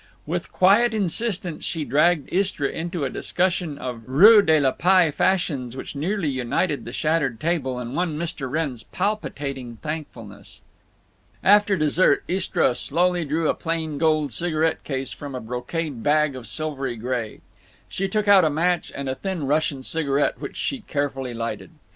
With quiet insistence she dragged Istra into a discussion of rue de la Paix fashions which nearly united the shattered table and won Mr. Wrenn's palpitating thankfulness. After dessert Istra slowly drew a plain gold cigarette case from a brocade bag of silvery gray. She took out a match and a thin Russian cigarette, which she carefully lighted.